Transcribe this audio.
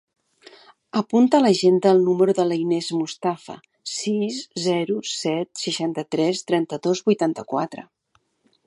Apunta a l'agenda el número de l'Inés Mustafa: sis, zero, set, seixanta-tres, trenta-dos, vuitanta-quatre.